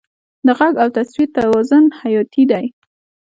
د غږ او تصویر توازن حیاتي دی.